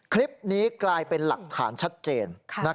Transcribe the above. คลิปนี้กลายเป็นหลักฐานชัดเจน